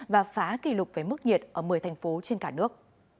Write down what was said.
và phá kỷ lục với mức nhiệt ở một mươi thành phố trên cả nước